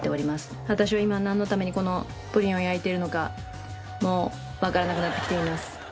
私は今なんのためにこのプリンを焼いているのかもうわからなくなってきています。